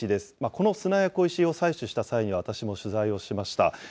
この砂や小石を採取した際に、私も取材をしました。